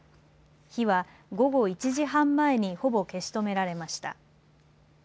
火は午後１時半前にほぼ消し止められました。